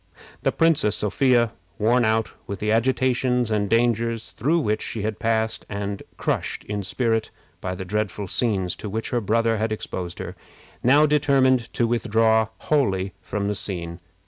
The Princess Sophia, worn out with the agitations and dangers through which she had passed, and crushed in spirit by the dreadful scenes to which her brother had exposed her, now determined to withdraw wholly from the scene.